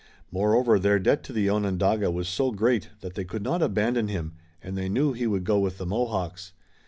Moreover their debt to the Onondaga was so great that they could not abandon him, and they knew he would go with the Mohawks.